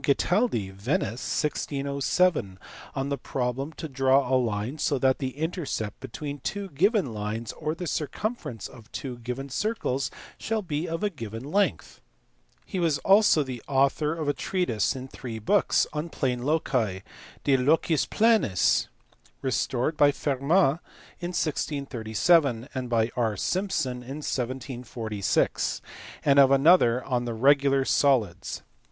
Ghetaldi, Venice, 1607) on the problem to draw a line so that the intercept between two given lines, or the circumferences of two given circles, shall be of a given length. He was also the author of a treatise in three books on plane loci, De Locis Planis, (restored by Fermat in 1637, and by R. Simson in 1746), and of another on the regular solids.